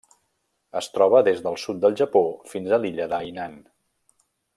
Es troba des del sud del Japó fins a l'illa de Hainan.